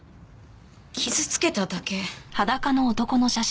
傷つけただけ。